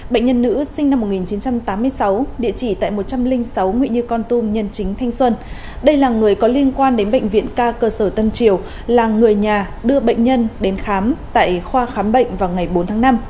bệnh nhân nữ sinh năm một nghìn chín trăm tám mươi sáu địa chỉ tại một trăm linh sáu nguyễn như con tum nhân chính thanh xuân đây là người có liên quan đến bệnh viện ca cơ sở tân triều là người nhà đưa bệnh nhân đến khám tại khoa khám bệnh vào ngày bốn tháng năm